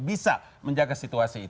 bisa menjaga situasi itu